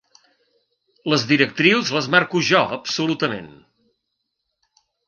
Les directrius les marco jo absolutament.